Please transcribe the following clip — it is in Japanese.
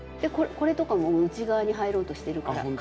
これとかももう内側に入ろうとしてるから。